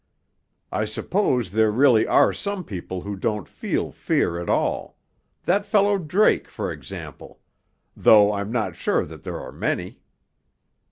I suppose there really are some people who don't feel fear at all that fellow Drake, for example though I'm not sure that there are many.